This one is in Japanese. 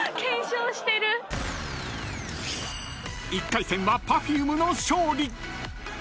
［１回戦はＰｅｒｆｕｍｅの勝利］